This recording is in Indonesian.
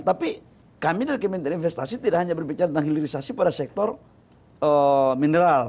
tapi kami dari kementerian investasi tidak hanya berbicara tentang hilirisasi pada sektor mineral